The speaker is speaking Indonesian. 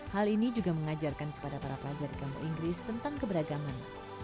hal ini juga mengajarkan kepada para pelajar di kamu inggris tentang keberagaman